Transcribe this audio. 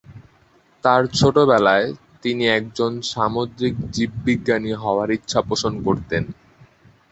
তার ছোটবেলায়, তিনি একজন সামুদ্রিক জীববিজ্ঞানী হওয়ার ইচ্ছা পোষন করতেন।